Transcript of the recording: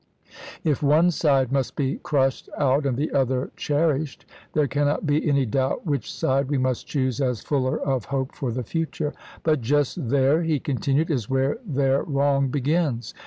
If one side must be crushed out and the other cher ished, there cannot be any doubt which side we must choose as fuller of hope for the future ; but just there," he continued, " is where their wrong begins.